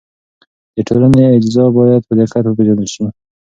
د ټولنې اجزا باید په دقت وپېژندل شي.